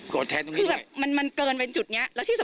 โกรธแทนต้องกินไง